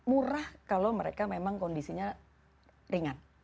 murah kalau mereka memang kondisinya ringan